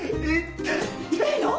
痛いの？